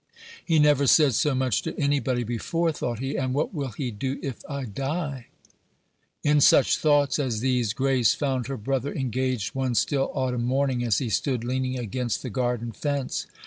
"He never said so much to any body before," thought he, "and what will he do if I die?" In such thoughts as these Grace found her brother engaged one still autumn morning, as he stood leaning against the garden fence.